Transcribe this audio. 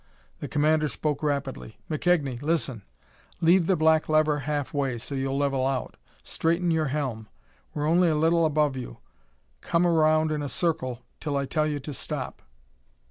The commander spoke rapidly. "McKegnie, listen: Leave the black lever halfway, so you'll level out. Straighten your helm. We're only a little above you; come round in a circle till I tell you to stop."